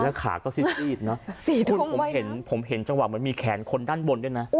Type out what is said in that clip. ถ้าขาก็ซีดนะสี่ทุ่มไว้นะผมเห็นจังหวังมันมีแขนคนด้านบนด้วยนะ